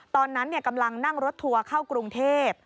ตอนนั้นกำลังนั่งรถทัวร์เข้ากรุงเทพ